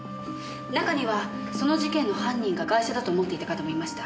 中にはその事件の犯人がガイシャだと思っていた方もいました。